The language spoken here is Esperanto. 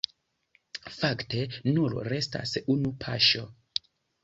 Fakte, nur restas unu paŝo.